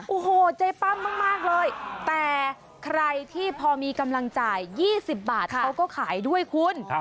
โอ้โหใจปั้มมากเลยแต่ใครที่พอมีกำลังจ่าย๒๐บาทเขาก็ขายด้วยคุณ